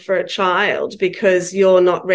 karena anda tidak mengatasi diri anda sendiri